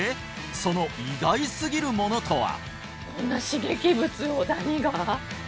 その意外すぎるものとは？